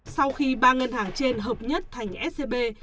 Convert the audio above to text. sau khi ba ngân hàng trên hợp nhất thành scb